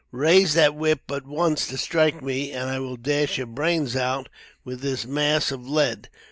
Raise that whip but once to strike me, and I will dash your brains out with this mass of lead."